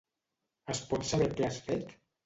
Es pot saber què has fet?